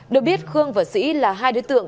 được biết khương và sĩ là hai đối tượng